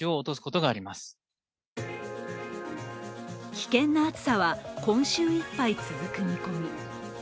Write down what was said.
危険な暑さは今週いっぱい続く見込み。